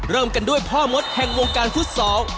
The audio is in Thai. เริ่มกันด้วยพ่อมดแห่งวงการฟุตซอล